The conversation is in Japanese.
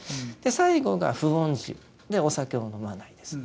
最後が不飲酒お酒を飲まないです。